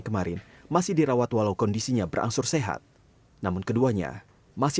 kemudian kami di bppd kami juga punya pertanian untuk orang yang sakit